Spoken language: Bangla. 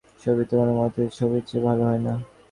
ছবি তো কোনোমতেই ছবির চেয়ে ভালো হয় না।